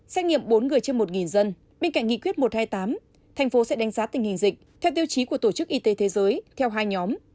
xét nghiệm bốn người trên một dân bên cạnh nghị quyết một trăm hai mươi tám thành phố sẽ đánh giá tình hình dịch theo tiêu chí của tổ chức y tế thế giới theo hai nhóm